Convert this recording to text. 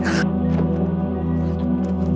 jawab kau apa kan